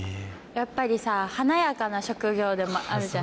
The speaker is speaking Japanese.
やっぱりさぁ華やかな職業でもあるじゃない？